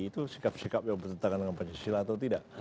itu sikap sikap yang bertentangan dengan pancasila atau tidak